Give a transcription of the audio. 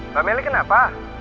mbak meli kenapa